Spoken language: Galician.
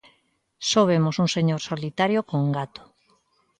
Só vemos un señor solitario con gato.